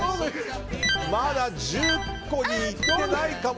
まだ１０個に行ってないかも。